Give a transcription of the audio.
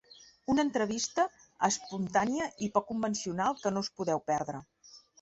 Una entrevista espontània i poc convencional que no us podeu perdre.